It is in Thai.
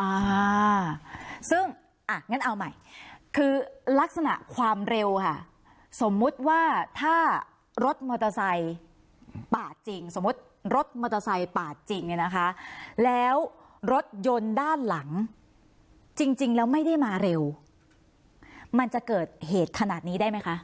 อ่าซึ่งอ่ะงั้นเอาใหม่คือลักษณะความเร็วค่ะสมมุติว่าถ้ารถมอเตอร์ไซค์ปาดจริงสมมุติรถมอเตอร์ไซค์ปาดจริงเนี่ยนะคะแล้วรถยนต์ด้านหลังจริงแล้วไม่ได้มาเร็วมันจะเกิดเหตุขนาดนี้ได้ไหมคะ